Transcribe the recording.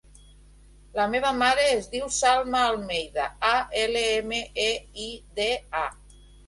La meva mare es diu Salma Almeida: a, ela, ema, e, i, de, a.